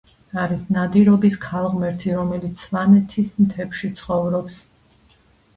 არის ნადირობის ქალღმერთი რომელიც სვანეთის თებში ცხოვრობს